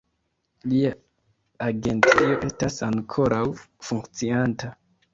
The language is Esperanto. Lia agentejo estas ankoraŭ funkcianta.